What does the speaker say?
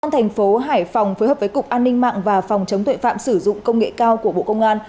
công an thành phố hải phòng phối hợp với cục an ninh mạng và phòng chống tuệ phạm sử dụng công nghệ cao của bộ công an